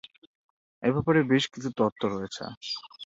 এ ব্যাপারে বেশ কিছু তত্ত্ব রয়েছে।